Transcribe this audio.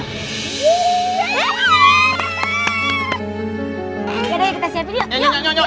ya udah kita siapin yuk